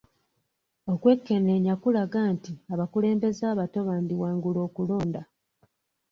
Okwekenneenya kulaga nti abakulembeze abato bandiwangula okulonda.